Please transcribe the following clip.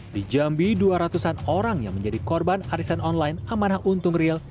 di jambi dua ratus an orang yang menjadi korban arisan online amanah untung real